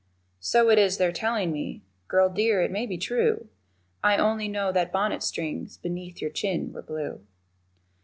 So it is they're tellin' me, Girl dear, it may be true I only know the bonnet strings Beneath your chin were blue.